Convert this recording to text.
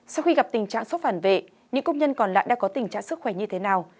sau khi gặp tình trạng sốt phản vệ những công nhân còn lại đã có tình trạng sức khỏe như thế nào